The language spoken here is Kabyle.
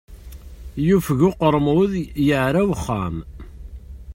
Yufeg uqermud, yeɛra uxxam.